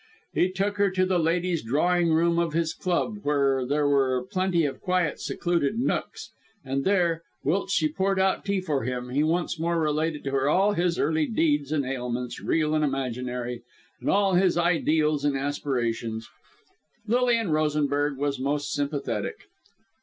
He took her to the ladies' drawing room of his club, where there were plenty of quiet, secluded nooks, and there, whilst she poured out tea for him, he once more related to her all his early deeds and ailments real and imaginary and all his ideals and aspirations. Lilian Rosenberg was most sympathetic.